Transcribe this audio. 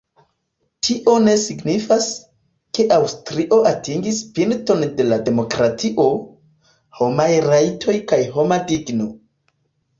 Tio ne signifas, ke Aŭstrio atingis pinton de demokratio, homaj rajtoj kaj homa digno.